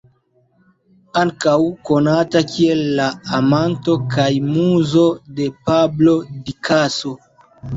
Ankaŭ konata kiel la amanto kaj muzo de Pablo Picasso.